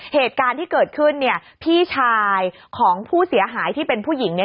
เหตุการณ์ที่เกิดขึ้นพี่ชายของผู้เสียหายที่เป็นผู้หญิง